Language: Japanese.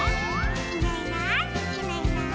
「いないいないいないいない」